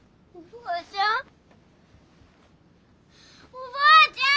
おばあちゃん？